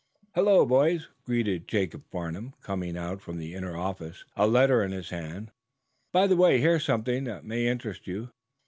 "Hullo, boys," greeted Jacob Farnum, coming out from the inner office, a letter in his hands. "By the way, here's something that may interest you.